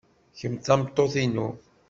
Kemm d tameṭṭut-inu.